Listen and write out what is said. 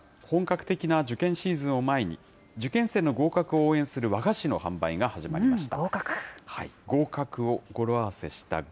本格的な受験シーズンを前に、受験生の合格を応援する和菓子の販売が始まりました。